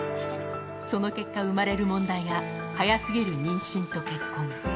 その結果、生まれる問題が早すぎる妊娠と結婚。